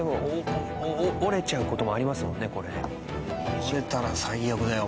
折れたら最悪だよ